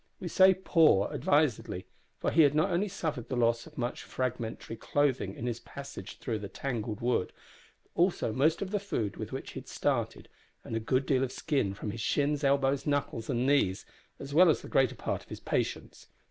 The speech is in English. We say "poor" advisedly, for he had not only suffered the loss of much fragmentary clothing in his passage through that tangled wood, but also most of the food with which he had started, and a good deal of skin from his shins, elbows, knuckles, and knees, as well as the greater part of his patience.